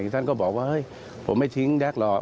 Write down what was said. ท่านก็บอกว่าผมไม่ทิ้งแด๊คหรอก